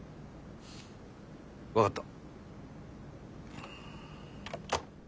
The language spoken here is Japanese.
分かった。